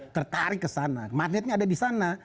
tertarik ke sana magnetnya ada di sana